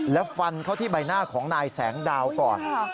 แล้วฟันเข้าที่ใบหน้าของนายแสงดาวก่อน